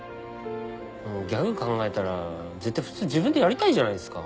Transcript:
ギャグ考えたら絶対普通自分でやりたいじゃないですか。